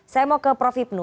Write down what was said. saya mau ke prof hipnu